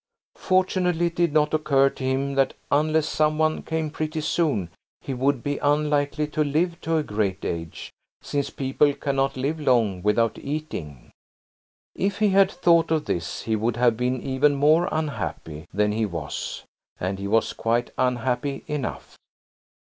Fortunately it did not occur to him that unless some one came pretty soon he would be unlikely to live to a great age, since people cannot live long without eating. If he had thought of this he would have been even more unhappy than he was–and he was quite unhappy enough.